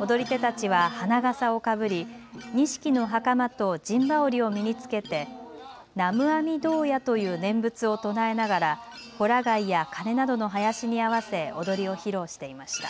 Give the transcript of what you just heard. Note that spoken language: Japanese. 踊り手たちは花がさをかぶり錦のはかまと陣羽織を身に着けてナムアミドーヤという念仏を唱えながらほら貝やかねなどの囃子に合わせ踊りを披露していました。